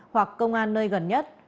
hoặc công an nơi gần nhất